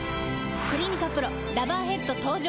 「クリニカＰＲＯラバーヘッド」登場！